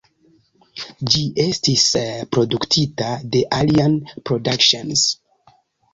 Ĝi estis produktita de Alien Productions.